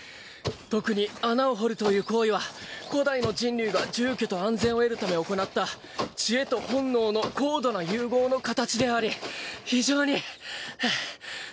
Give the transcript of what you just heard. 特に穴を掘るという行為は古代の人類が住居と安全を得るため行った知恵と本能の高度な融合の形であり非常にはぁはぁ。